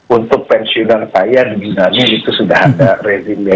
untuk pensiunan kaya di dunia ini itu sudah ada rezimnya